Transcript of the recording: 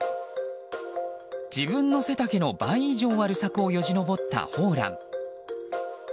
自分の背丈の倍以上ある柵をよじ登ったホウラン。